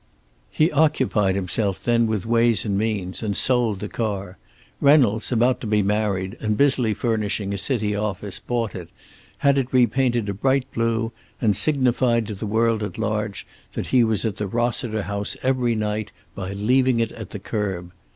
He occupied himself then with ways and means, and sold the car. Reynolds, about to be married and busily furnishing a city office, bought it, had it repainted a bright blue, and signified to the world at large that he was at the Rossiter house every night by leaving it at the curb.